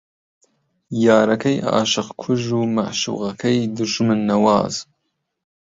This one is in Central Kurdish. یارەکەی عاشق کوژ و مەعشووقەکەی دوژمن نەواز